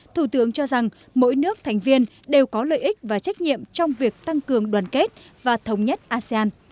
thủ tướng cho rằng mỗi nước thành viên đều có lợi ích và trách nhiệm trong việc tăng cường đoàn kết và thống nhất asean